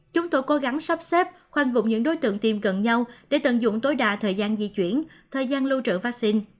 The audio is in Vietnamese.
chúng tôi cố gắng sắp xếp khoanh vụng những đối tượng tiêm gần nhau để tận dụng tối đa thời gian di chuyển thời gian lưu trưởng vaccine